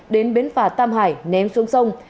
đến bến phà tam hải ném xuống sông